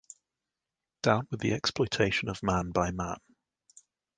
Down with the exploitation of man by man!